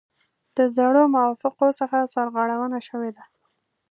د زړو موافقو څخه سرغړونه شوې ده.